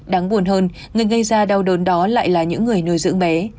đáng buồn hơn người gây ra đau đớn đó lại là những người nuôi dưỡng bé